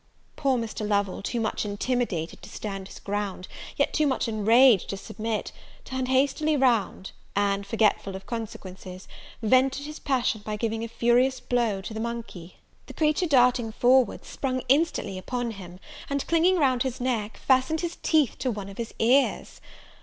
Poor Mr. Lovel, too much intimidated to stand his ground, yet too much enraged to submit, turned hastily round, and, forgetful of consequences, vented his passion by giving a furious blow to the monkey. The creature darting forwards, sprung instantly upon him; and, clinging round his neck, fastened his teeth to one of his ears.